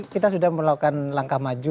kita sudah melakukan langkah maju